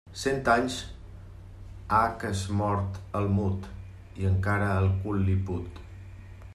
Cent anys ha que és mort el mut, i encara el cul li put.